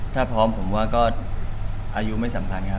ถ้าพร้อมผมว่าก็อายุไม่สำคัญครับ